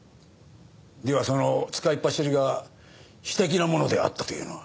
ではその使いっ走りが私的なものであったというのは？